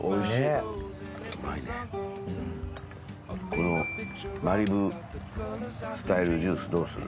このマリブスタイルジュースどうする？